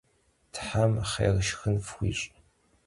Them xhêr şşxın fxuiş'!